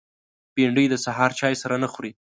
بېنډۍ د سهار چای سره نه خوري